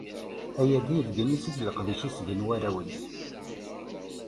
Ayagi yesbeyyin-it-id leqdic i tt-gen warraw-is.